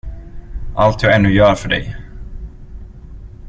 Allt jag ännu gör för dig.